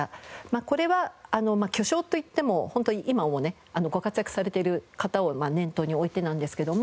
これは巨匠といっても本当に今もねご活躍されている方を念頭に置いてなんですけども。